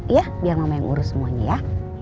iya biar mama yang urus semuanya ya